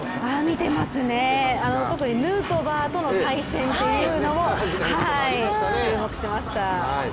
見てますね、特にヌートバーとの対戦っていうのも注目してました。